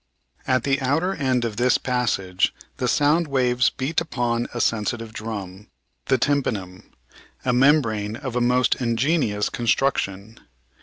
At the outer end of this passage the sound waves beat upon a sensitive dnmi, the tympanum, a membrane of a most ingenious construction.